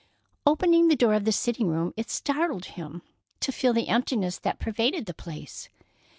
Opening the door of the sitting room, it startled him to feel the emptiness that pervaded the place.